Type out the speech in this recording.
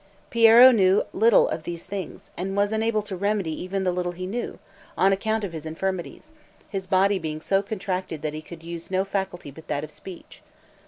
Piero knew little of these things, and was unable to remedy even the little he knew, on account of his infirmities; his body being so contracted that he could use no faculty but that of speech.